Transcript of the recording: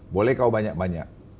boleh kau banyak banyak